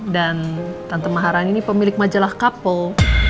dan tante maharani ini pemilik majalah kapel